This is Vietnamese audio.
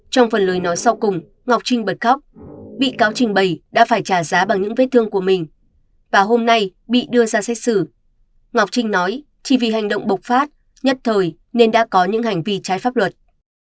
trong phần lời nói sau cùng ngọc trinh bật khóc bị cáo trình bày đã phải trả giá bằng những vết thương của mình và hôm nay bị đưa ra xét xử ngọc trinh nói chỉ vì hành động bộc phát nhất thời nên đã có những hành vi trái pháp luật